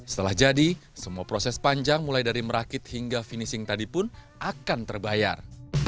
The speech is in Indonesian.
setelah jadi semua proses panjang mulai dari merakit hingga finishing tadi pun akan terbayar